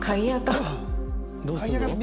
どうすんの？